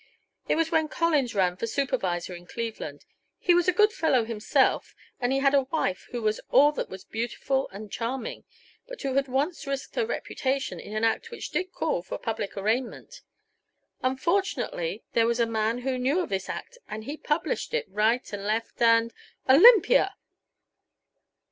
It was when Collins ran for supervisor in Cleveland. He was a good fellow himself, and he had a wife who was all that was beautiful and charming, but who had once risked her reputation in an act which did call for public arraignment. Unfortunately, there was a man who knew of this act and he published it right and left and " "Olympia!"